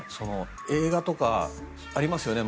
映画とかでありますよね。